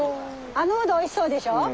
あのウドおいしそうでしょ？